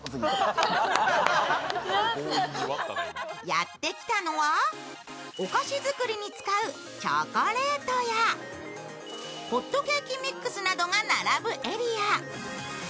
やってきたのは、お菓子作りに使うチョコレートやホットケーキミックスなどが並ぶエリア。